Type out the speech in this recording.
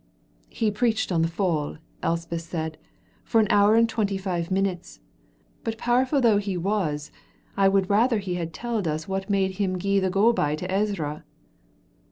"He preached on the Fall," Elspeth said, "for an hour and twenty five minutes, but powerful though he was I would rather he had telled us what made him gie the go by to Ezra."